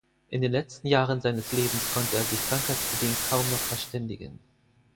In den letzten Jahren seines Lebens konnte er sich krankheitsbedingt kaum noch verständigen.